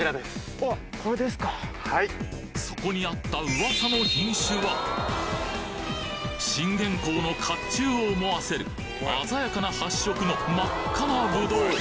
そこにあった噂の品種は信玄公の甲冑を思わせる鮮やかな発色の真っ赤なぶどう。